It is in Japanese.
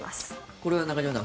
これは中島さん